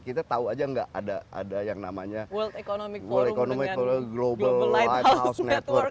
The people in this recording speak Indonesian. kita tahu aja nggak ada yang namanya world economic forum dengan global lighthouse network